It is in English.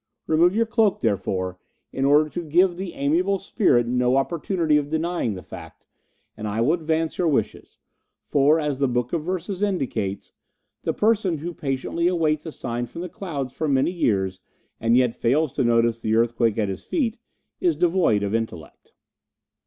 Remove your cloak, therefore, in order to give the amiable spirit no opportunity of denying the fact, and I will advance your wishes; for, as the Book of Verses indicates, 'The person who patiently awaits a sign from the clouds for many years, and yet fails to notice the earthquake at his feet, is devoid of intellect.